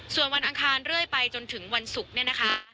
ส่วนวันอังคารเรื่อยไปจนถึงวันศุกร์เนี่ยนะคะ